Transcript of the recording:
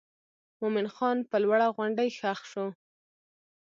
مومن خان پر لوړه غونډۍ ښخ شو.